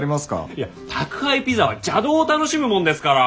いや宅配ピザは邪道を楽しむもんですから。